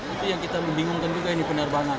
itu yang kita membingungkan juga ini penerbangan